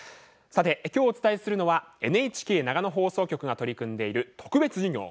今日、お伝えするのはＮＨＫ長野放送局が取り組んでいる特別授業。